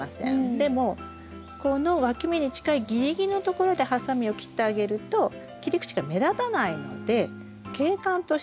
でもこのわき芽に近いギリギリのところでハサミを切ってあげると切り口が目立たないので景観としてきれいに見えます。